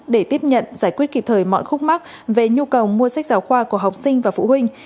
để tiếp nhận giải quyết kịp thời mọi khúc mắc về nhu cầu mua sách giáo khoa của học sinh và phụ huynh